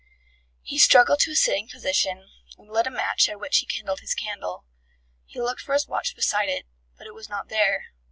He struggled to a sitting position, and lit a match at which he kindled his candle. He looked for his watch beside it, but it was not there.